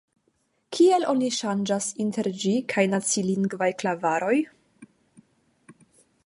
Kiel oni ŝanĝas inter ĝi kaj nacilingvaj klavaroj?